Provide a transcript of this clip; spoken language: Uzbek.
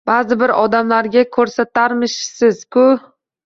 Ba`zi bir odamlarga ko`rsatarmishsiz-ku